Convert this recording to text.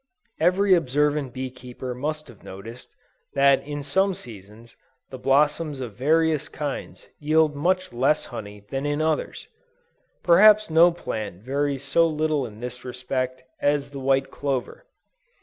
Every observant bee keeper must have noticed, that in some seasons, the blossoms of various kinds yield much less honey than in others. Perhaps no plant varies so little in this respect, as the white clover.